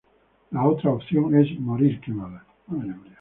La otra opción es morir quemada.